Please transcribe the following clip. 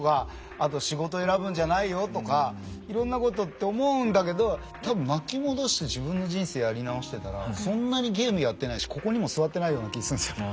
あと「仕事選ぶんじゃないよ」とかいろんなことって思うんだけど多分巻き戻して自分の人生やり直してたらそんなにゲームやってないしここにも座ってないような気するんすよね。